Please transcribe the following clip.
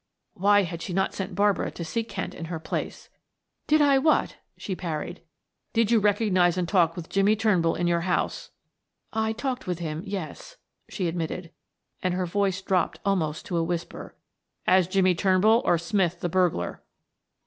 Why had she not sent Barbara to see Kent in her place? "Did I what?" she parried. "Did you recognize and talk with Jimmie Turnbull in your house?" "I talked with him, yes," she admitted, and her voice dropped almost to a whisper. "As Jimmie Turnbull or Smith the burglar?"